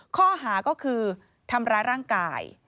ข้อหาก็คือทำร้ายร่างกาย